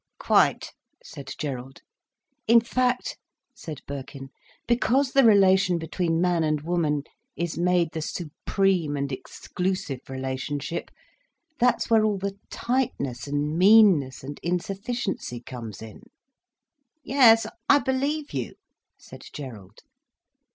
"Quite," said Gerald. "In fact," said Birkin, "because the relation between man and woman is made the supreme and exclusive relationship, that's where all the tightness and meanness and insufficiency comes in." "Yes, I believe you," said Gerald.